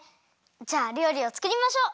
じゃありょうりをつくりましょう！